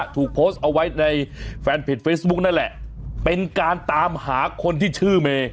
ถูกโพสต์เอาไว้ในแฟนเพจเฟซบุ๊กนั่นแหละเป็นการตามหาคนที่ชื่อเมย์